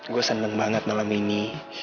gue senang banget malam ini